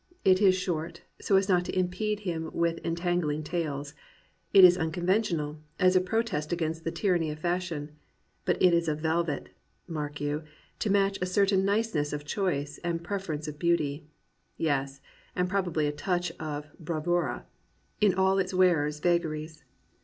It is short, so as not to impede him with entangling tails. It is unconventional, as a protest against the tyranny of fashion. But it is of velvet, mark you, to match a certain niceness of choice and preference of beauty, — yeSi and probably a touch of b^a^^l^a, — in all its wearer's vagaries.